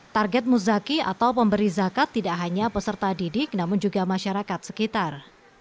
target muzaki atau pemberi zakat tidak hanya peserta didik namun juga masyarakat sekitar